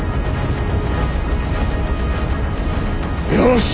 よし！